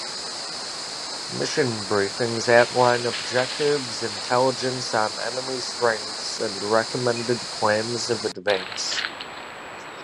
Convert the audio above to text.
Mission briefings outline objectives, intelligence on enemy strengths and recommended plans of advance.